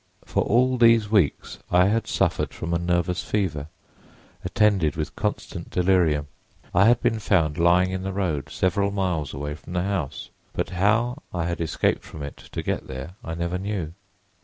For all these weeks I had suffered from a nervous fever, attended with constant delirium. I had been found lying in the road several miles away from the house; but how I had escaped from it to get there I never knew.